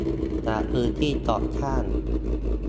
จากพื้นที่ก่อสร้าง